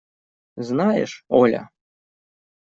Знаешь, Оля!